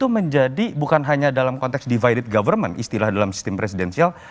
menjadi bukan hanya dalam konteks divided government istilah dalam sistem presidensial